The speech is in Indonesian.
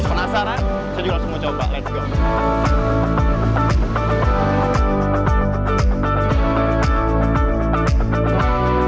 penasaran saya juga langsung mau coba let s go